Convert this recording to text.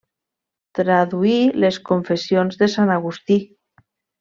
Traduí les Confessions de Sant Agustí.